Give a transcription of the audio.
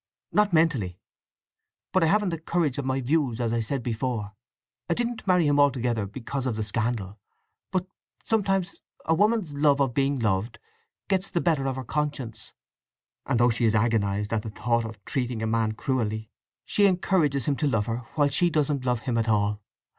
"Not mentally. But I haven't the courage of my views, as I said before. I didn't marry him altogether because of the scandal. But sometimes a woman's love of being loved gets the better of her conscience, and though she is agonized at the thought of treating a man cruelly, she encourages him to love her while she doesn't love him at all.